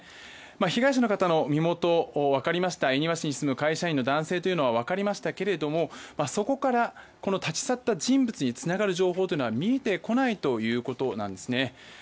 被害者の方の身元は恵庭市に住む会社員の男性というのは分かりましたがそこから立ち去った人物につながる情報は見えてこないということです。